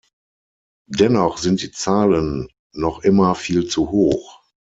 Dennoch sind die Zahlen noch immer viel zu hoch.